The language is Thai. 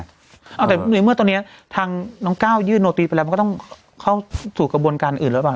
แต่ในเมื่อตอนนี้ทางน้องก้าวยื่นโนติไปแล้วมันก็ต้องเข้าสู่กระบวนการอื่นหรือเปล่า